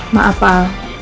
maaf pak al